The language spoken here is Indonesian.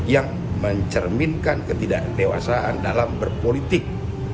yang mencerminkan ketidakdewasaan dalam berpolitik